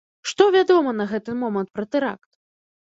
Што вядома на гэты момант пра тэракт?